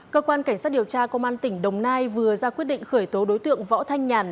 cơ quan cảnh sát điều tra công an tỉnh đồng nai vừa ra quyết định khởi tố đối tượng võ thanh nhàn